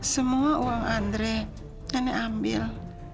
semua uang andre nenek ambil